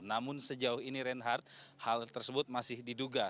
namun sejauh ini reinhardt hal tersebut masih diduga